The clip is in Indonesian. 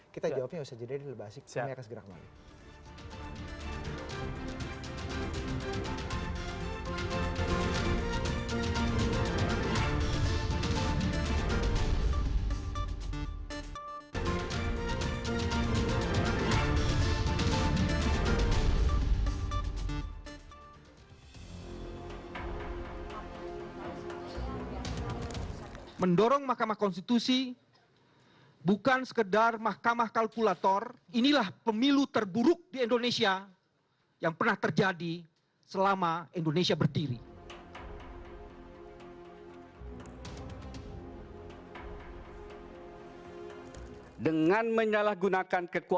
kita jawabnya bisa jadi lebih asik